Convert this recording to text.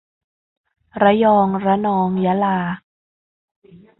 ระยอง ระนอง ยะลา